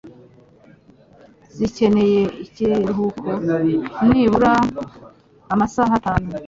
zikeneye ikiruhuko. Nibura amasaha atanu